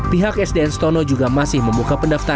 pihak sdn stono juga masih membuka pendaftaran